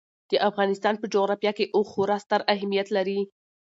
د افغانستان په جغرافیه کې اوښ خورا ستر اهمیت لري.